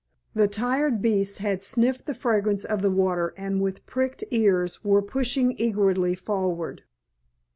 The tired beasts had sniffed the fragrance of the water and with pricked ears were pushing eagerly forward.